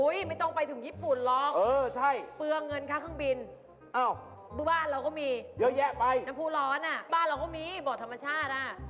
อุ๊ยไม่ต้องไปถึงญี่ปุ่นหรอกเปลืองเงินค้าเครื่องบินบ้านเราก็มีน้ำผู้ร้อนบ้านเราก็มีบ่อธรรมชาติ